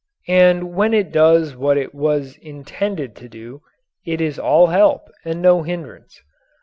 And when it does what it was intended to do, it is all help and no hindrance.